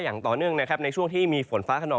อย่างต่อเนื่องนะครับในช่วงที่มีฝนฟ้าขนอง